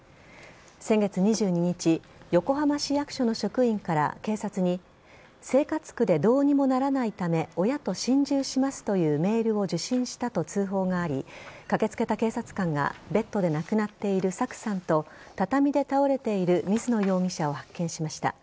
先月２２日横浜市役所の職員から警察に生活苦でどうにもならないため親と心中しますというメールを受信したと通報があり駆けつけた警察官がベッドで亡くなっているさくさんと畳で倒れている水野容疑者を発見しました。